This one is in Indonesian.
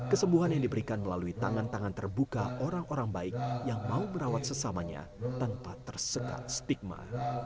kesembuhan yang diberikan melalui tangan tangan terbuka orang orang baik yang mau merawat sesamanya tanpa tersekat stigma